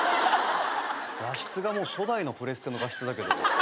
画質が初代のプレステの画質だけど。